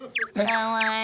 かわいい。